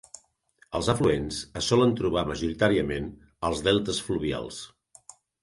Els afluents es solen trobar majoritàriament als deltes fluvials.